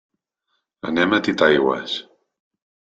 Anem a Titaigües.